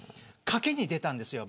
賭けに出たんですよ。